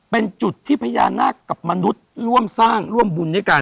เป็นจุดที่พญานาคกับมนุษย์ร่วมสร้างร่วมบุญด้วยกัน